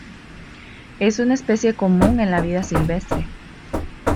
Es una especie común en la vida silvestre.